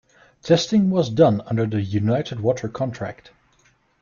Testing was done under the United Water contract.